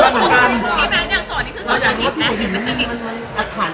เดี๋ยวเล่นละครเราถามให้สุดครั้ง